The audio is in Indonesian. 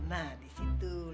nah di situ